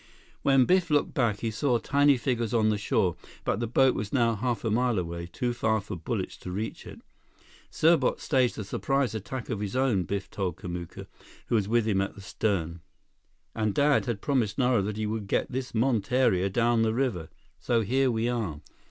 When Biff looked back, he saw tiny figures on the shore, but the boat was now half a mile away, too far for bullets to reach it. "Serbot staged a surprise attack of his own," Biff told Kamuka, who was with him in the stem. "And Dad had promised Nara that he would get this monteria down the river. So here we are!"